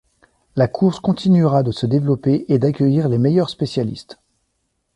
La course continuera de se développer et d'accueillir les meilleurs spécialistes.